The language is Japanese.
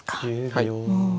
はい。